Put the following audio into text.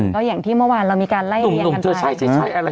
ใช่แล้วอย่างที่เมื่อวานเรามีการไล่กันใช่ใช่ใช่อะไร